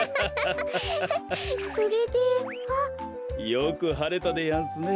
よくはれたでやんすね。